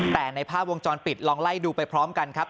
แต่ในภาพวงจรปิดลองไล่ดูไปพร้อมกันครับ